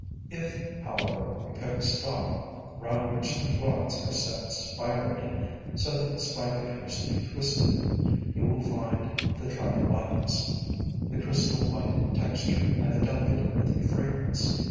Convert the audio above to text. If, however, you pick a stalk, round which the florets are set spirally so that the spike appears to be twisted, you will find the tribal likeness, the crystal white texture, and the delicate earthy fragrance.